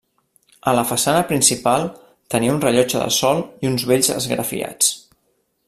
A la façana principal tenia un rellotge de sol i uns bells esgrafiats.